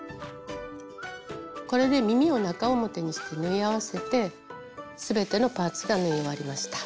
これで耳を中表にして縫い合わせて全てのパーツが縫い終わりました。